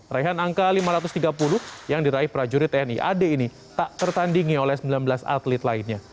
raihan angka lima ratus tiga puluh yang diraih prajurit tni ad ini tak tertandingi oleh sembilan belas atlet lainnya